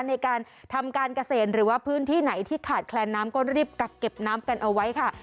ในการทำการเกษตรหรือว่าพื้นที่ไหนที่ขาดแคลนน้ำก็รีบกักเก็บน้ำกันเอาไว้ค่ะ